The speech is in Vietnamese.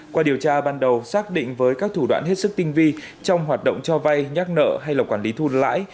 qua điều tra ban đầu xác định với các thủ đoạn hết sức tinh vi trong hoạt động cho vay nhắc nợ hay là quản lý thu lãi